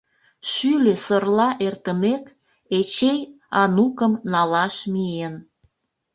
Шӱльӧ-сорла эртымек, Эчей Анукым налаш миен.